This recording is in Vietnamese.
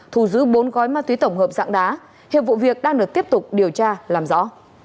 thu giữ bốn gói ma túy tổng hợp dạng đá hiệp vụ việc đang được tiếp tục điều tra làm rõ